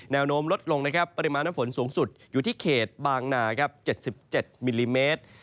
แนวโน้มลดลงนะครับปริมาณน้ำฝนสูงสุดอยู่ที่เขตบางนา๗๗มิลลิเมตร